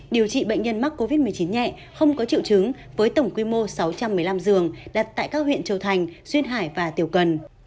điều trị bệnh nhân mắc covid một mươi chín nhẹ không có triệu chứng với tổng quy mô sáu trăm một mươi năm giường đặt tại các huyện châu thành xuyên hải và tiểu cần